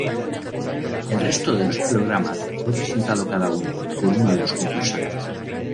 El resto de los programas fue presentado cada uno por uno de los concursantes.